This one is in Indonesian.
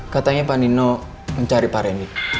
katanya panino mencari pak rendy